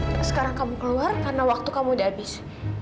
terus sekarang kamu keluar karena waktu kamu udah habis